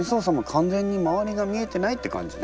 完全に周りが見えてないって感じね。